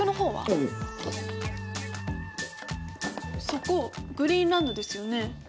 そこグリーンランドですよね？